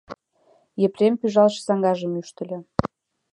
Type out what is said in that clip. Епрем пӱжалтше саҥгажым ӱштыльӧ.